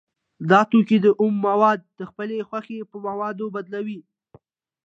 دا توکی اومه مواد د خپلې خوښې په موادو بدلوي